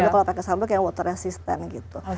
kalau pakai sambal kayak water resistant gitu